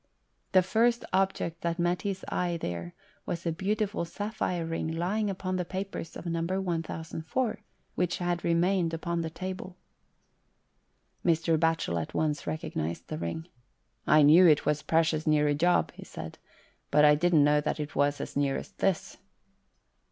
The first object that met his eye there was a beautiful sapphire ring lying upon the papers of No. 1004, which had remained upon the table. Mr. Batchel at once recognised the ring. "I knew it was precious near a job," he said, " but I didn't know that it was as near as this."